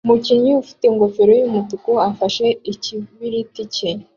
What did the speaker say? Umukinnyi ufite ingofero yumutuku afashe ikibiriti cye